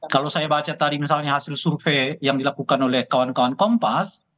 kalau saya baca tadi misalnya hasil survei yang dilakukan oleh kawan kawan kompas